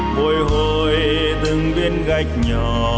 môi hồi từng biên gạch nhỏ